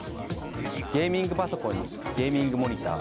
ゲーミングパソコンにケーミングモニター。